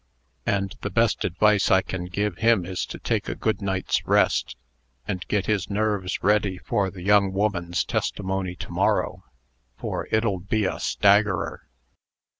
And the best advice I can give him is to take a good night's rest, and get his nerves ready for the young woman's testimony to morrow, for it'll be a staggerer."